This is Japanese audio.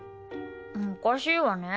おかしいわね。